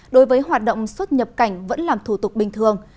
đối với hoạt động xuất nhập cảnh vẫn làm thủ tục bình thường